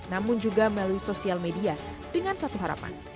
namun juga melalui sosial media dengan satu harapan